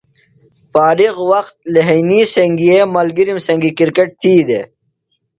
فارغ وقت لھئینی سنگئے ملگِرِم سنگیۡ کِرکٹ تھی دےۡ۔